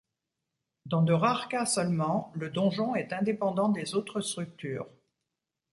Dans de rares cas seulement, le donjon est indépendant des autres structures.